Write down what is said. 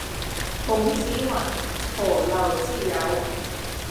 孔子云：「何陋之有？」